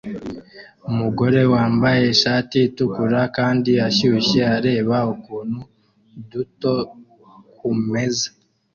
Umugore wambaye ishati itukura kandi ashyushye areba utuntu duto kumeza